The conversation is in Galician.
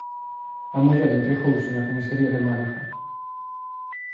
A muller entregouse na comisaría de Málaga.